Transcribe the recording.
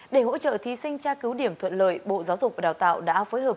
để hỗ trợ thí sinh tra cứu điểm thuận lợi bộ giáo dục và đào tạo đã phối hợp